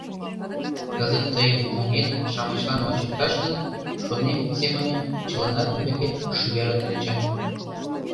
«Кызыт тыйым таҥет-шамычлан ончыкташ гын, — шонем семынем, — чыланат ӱмбакет шӱвалыт ыле чан.